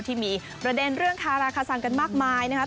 ที่มีประเด็นเรื่องคาราคาสังกันมากมายนะครับ